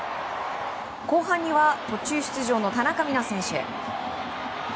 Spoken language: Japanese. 後半には、途中出場の田中美南選手。